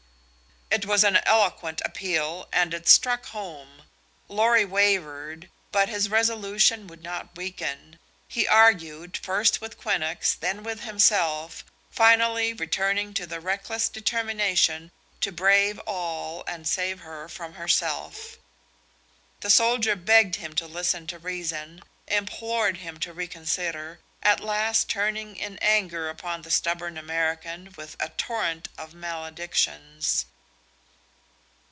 It was an eloquent appeal, and it struck home. Lorry wavered, but his resolution would not weaken. He argued, first with Quinnox, then with himself, finally returning to the reckless determination to brave all and save her from herself. The soldier begged him to listen to reason, implored him to reconsider, at last turning in anger upon the stubborn American with a torrent of maledictions.